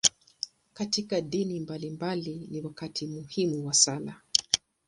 Katika dini mbalimbali, ni wakati muhimu wa sala.